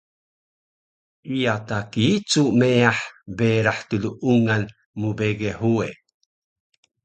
iya ta kiicu meyah berah tluungan mbege huwe